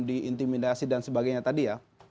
diintimidasi dan sebagainya tadi ya